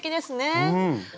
うん！